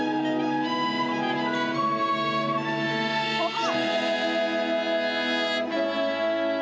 ここ！